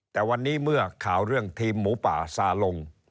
แต่วันนี้เมื่อข่าวเรื่องทีมหมูป่าซาลง